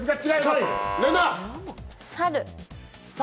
猿？